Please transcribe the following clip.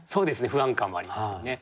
不安感もありますよね。